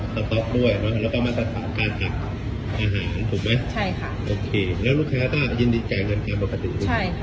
เพราะระบบมันบันทัพอยู่